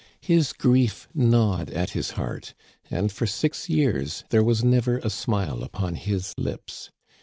His grief gnawed at his heart, and for six years there was never a smile upon his lips.